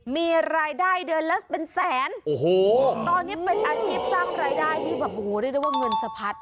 มีรายได้เดือนลักษณะเป็นแสนตอนนี้เป็นอาชีพสรร้ายได้ที่อะหูได้ได้ว่าเงินสะพัด